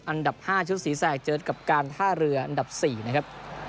อันดับ๕ชุดศรีแสกเจอกับการท่าเรืออันดับ๔นะครับ